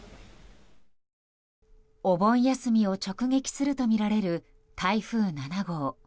お盆休みを直撃するとみられる台風７号。